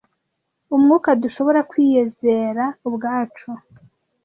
umwuka dushobora kwiyizera ubwacu